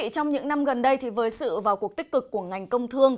trong những năm gần đây với sự vào cuộc tích cực của ngành công thương